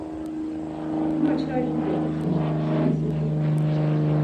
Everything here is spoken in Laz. Ma çai dido pşum, şumi siti?.